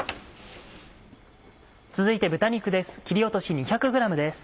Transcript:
続いて豚肉です。